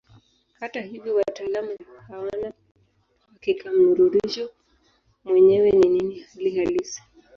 Hata hivyo wataalamu hawana uhakika mnururisho mwenyewe ni nini hali halisi.